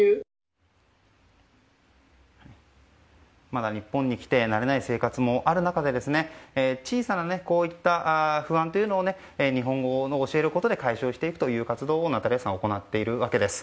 まだ日本に来て慣れない生活もある中で小さな不安を日本語を教えることで解消していくという活動をナタリアさんは行っているわけです。